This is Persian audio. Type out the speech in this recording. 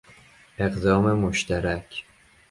اقدام مشترک